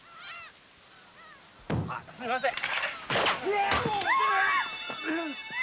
あッすいません。